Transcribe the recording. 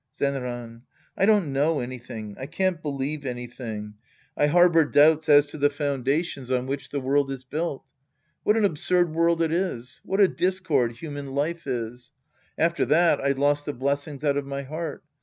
Zenran. I don't know anything. I can't believe anything. I harbor doubts as to the foundations on 108 The Priest and His Disciples Act III which the world is built. What an absurd world it is ! What a discord human life is ! After that, I lost the blessing out of my heart.